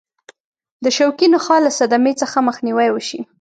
د شوکي نخاع له صدمې څخه مخنیوي وشي.